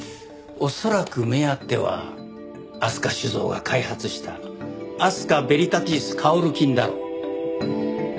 恐らく目当ては飛鳥酒造が開発したアスカベリタティスカオル菌だろう。